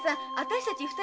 私たち